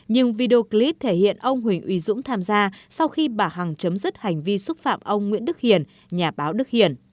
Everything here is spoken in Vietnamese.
nhưng video clip thể hiện ông huỳnh uy dũng tham gia sau khi bà hằng chấm dứt hành vi xúc phạm ông nguyễn đức hiền nhà báo đức hiển